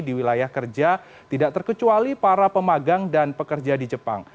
di wilayah kerja tidak terkecuali para pemagang dan pekerja di jepang